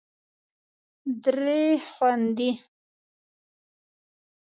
درې خوندې